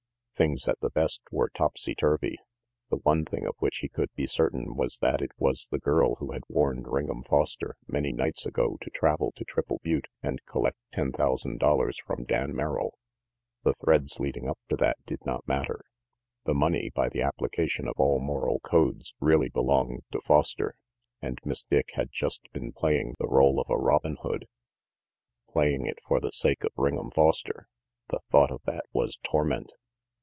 Things, at the best, were all topsy turvy. The one thing of which he could be certain was that it was the girl who had warned Ring 'em Foster many nights ago to travel to Triple Butte and collect ten thousand dollars from Dan Merrill. The threads leading up to that did not matter. The money, by the application of all moral codes, really belonged to Foster, and Miss Dick had just been playing the role of a Robin Hood. Playing it for the sake of Ring'em Foster! The thought of that was torment.